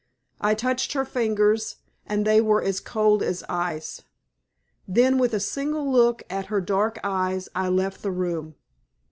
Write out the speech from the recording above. I touched her fingers, and they were as cold as ice. Then, with a single look at her dark eyes, I left the room.